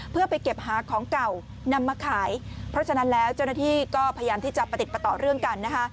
เพื่อไปเก็บหาของเก่านำมาขายเพราะฉะนั้นแล้วเจ้าหน้าที่ก็พยายามที่จะประติดประต่อเรื่องกันนะคะ